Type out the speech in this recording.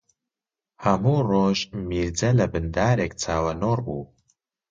هەموو ڕۆژ میرجە لەبن دارێک چاوەنۆڕ بوو